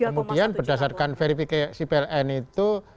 kemudian berdasarkan verifikasi pln itu